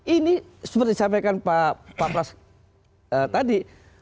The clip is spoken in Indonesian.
ini seperti disampaikan pak pras tadi